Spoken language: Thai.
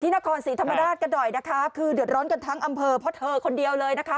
นครศรีธรรมราชกันหน่อยนะคะคือเดือดร้อนกันทั้งอำเภอเพราะเธอคนเดียวเลยนะคะ